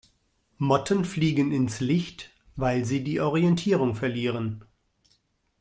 Motten fliegen ins Licht, weil sie die Orientierung verlieren.